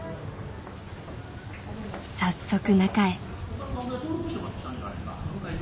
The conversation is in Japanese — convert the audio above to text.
早速中へ。